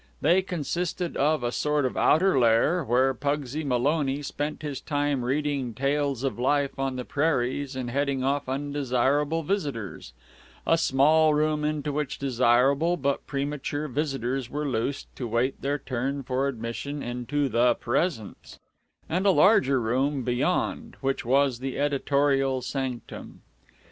They consisted of a sort of outer lair, where Pugsy Maloney spent his time reading tales of life on the prairies and heading off undesirable visitors; a small room, into which desirable but premature visitors were loosed, to wait their turn for admission into the Presence; and a larger room beyond, which was the editorial sanctum.